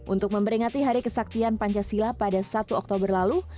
untuk memperingati hari kesaktian pancasila pada satu oktober lalu